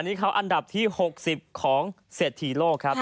นี่เขาอันดับที่๖๐ของเศรษฐีโลกครับ